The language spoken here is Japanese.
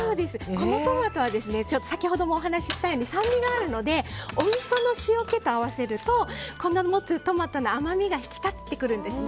このトマトは先ほどもお話ししたように酸味があるのでおみその塩気と合わせるとこの持つトマトの甘みが引き立ってくるんですね。